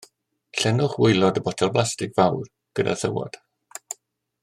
Llenwch waelod y botel blastig fawr gyda thywod.